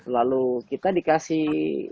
lalu kita dikasih